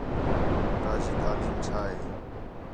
تا جی تعلیم چَھا ہے؟